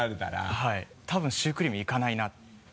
はい多分シュークリームいかないなと。